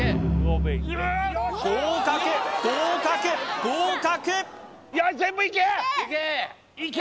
合格合格合格いけ！